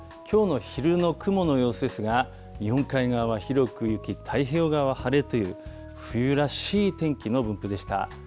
きょうの昼の雲の様子ですが、日本海側は広く雪、太平洋側は晴れという、冬らしい天気の分布でした。